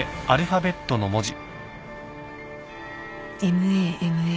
ＭＡＭＡ。